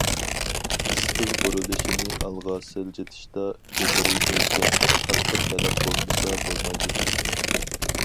ئىستىل قۇرۇلۇشىنى ئالغا سىلجىتىشتا، يۇقىرى ئۆلچەم، قاتتىق تەلەپ بولمىسا بولمايدۇ.